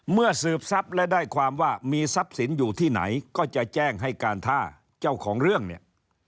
สืบทรัพย์และได้ความว่ามีทรัพย์สินอยู่ที่ไหนก็จะแจ้งให้การท่าเจ้าของเรื่องเนี่ย